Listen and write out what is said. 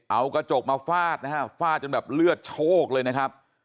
เอากระจกมาฟาดนะฮะฟาดจนแบบเลือดโชคเลยนะครับ